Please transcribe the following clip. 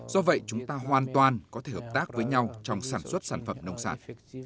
do vậy chúng ta hoàn toàn có thể hợp tác với nhau trong sản xuất sản phẩm nông sản